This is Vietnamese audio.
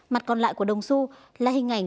mặt còn lại của đồng xu là hình ảnh